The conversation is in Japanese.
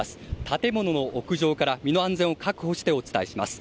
建物の屋上から身の安全を確保してお伝えします。